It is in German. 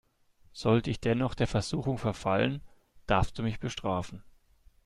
Sollte ich dennoch der Versuchung verfallen, darfst du mich bestrafen.